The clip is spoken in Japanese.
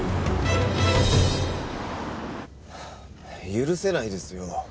許せないですよ。